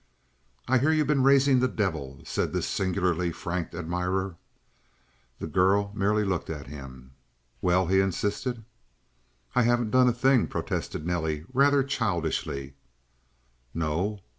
"I hear you've been raising the devil," said this singularly frank admirer. The girl merely looked at him. "Well?" he insisted. "I haven't done a thing," protested Nelly rather childishly. "No?"